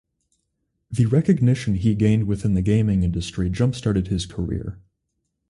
The recognition he gained within the gaming industry jump-started his career.